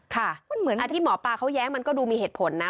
ค่ะที่หมอปลาเขาแย้งมันก็ดูมีเหตุผลนะ